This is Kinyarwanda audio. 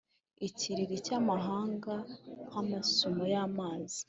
ikiriri cy’amahanga nk’amasumo y’amazi!